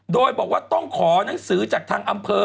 โดยบอกว่าต้องขอหนังสือจากทางอำเภอ